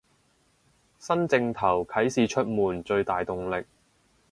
新正頭啟市出門最大動力